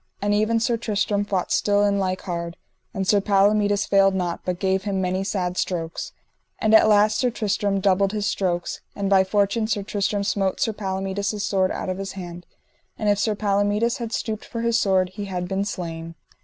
And ever Sir Tristram fought still in like hard, and Sir Palomides failed not, but gave him many sad strokes. And at the last Sir Tristram doubled his strokes, and by fortune Sir Tristram smote Sir Palomides sword out of his hand, and if Sir Palomides had stooped for his sword he had been slain.